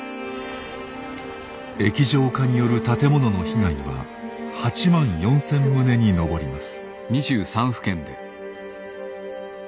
液状化による建物の被害は８万４，０００棟に上ります。